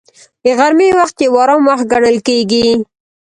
د غرمې وخت یو آرام وخت ګڼل کېږي